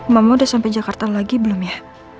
mama udah sampai jakarta lagi belum ya